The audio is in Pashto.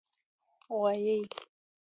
🐂 غوایی